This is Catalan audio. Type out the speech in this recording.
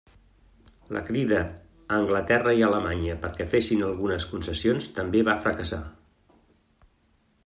La crida a Anglaterra i Alemanya perquè fessin algunes concessions també va fracassar.